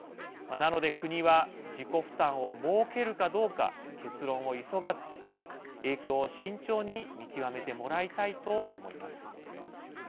なので、国は自己負担を設けるかどうか結論を急がず影響を慎重に見極めてもらいたいと思います。